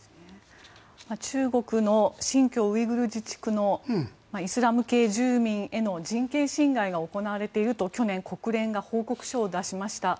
中国の新疆ウイグル自治区のイスラム系住民への人権侵害が行われていると去年、国連が報告書を出しました。